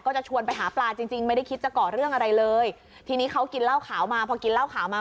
ก็จะชวนไปหาปลาจริงจริงไม่ได้คิดจะเกาะเรื่องอะไรเลยทีนี้เขากินเหล้าขาวมา